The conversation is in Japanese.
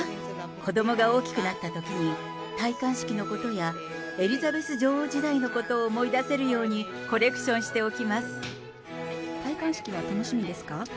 子どもが大きくなったときに戴冠式のことや、エリザベス女王時代のことを思い出せるように、コレクションして戴冠式は楽しみですか？